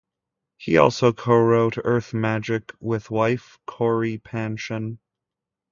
He also co-wrote "Earth Magic" with wife Cory Panshin.